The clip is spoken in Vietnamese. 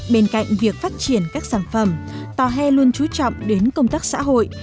bên cạnh việc phát triển các sản phẩm tò he luôn trú trọng đến công tác xã hội